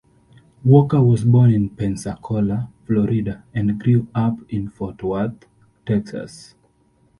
Walker was born in Pensacola, Florida and grew up in Fort Worth, Texas.